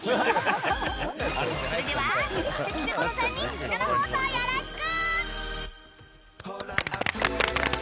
それでは、関ぺこの３人生放送よろしく！